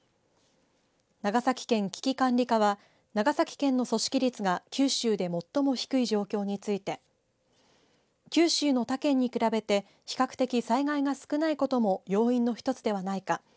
長崎県危機管理課は長崎県の組織率が九州で最も低い状況について九州の他県に比べて比較的災害が少ないことも要因の一つではないか。